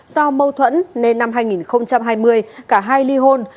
do mâu thuẫn nên năm hai nghìn hai mươi cả hai ly hôn